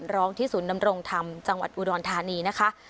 ร้องที่ศูนย์นำรงธรรมจังหวัดอุดรธานีนะคะ